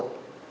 đúng không ạ